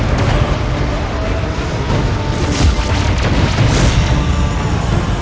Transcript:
drama di dalam